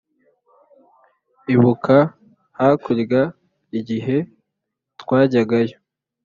Ibuka hakurya ighe twajyagayo